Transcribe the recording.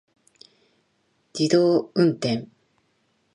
自動運転